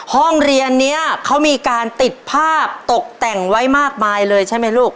ห้องเรียนนี้เขามีการติดภาพตกแต่งไว้มากมายเลยใช่ไหมลูก